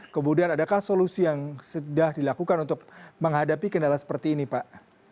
kemudian adakah solusi yang sudah dilakukan untuk menghadapi kendala seperti ini pak